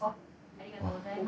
ありがとうございます。